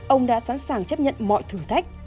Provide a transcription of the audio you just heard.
ông đã sẵn sàng chấp nhận mọi thử thách